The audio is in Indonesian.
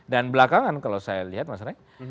dan belakangan kalau saya lihat mas rek